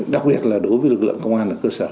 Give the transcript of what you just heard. đặc biệt là đối với lực lượng công an ở cơ sở